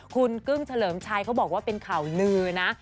คุณกึ้งเฉลิมชัยเขาบอกว่าเป็นข่าวลือนะ